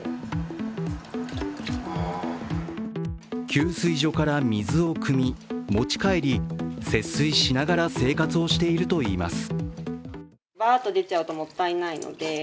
給水所から水をくみ持ち帰り、節水しながら生活をしているといいます。